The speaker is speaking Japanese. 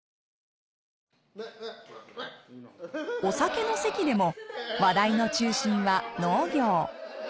お酒の席でも話題の中心は農業。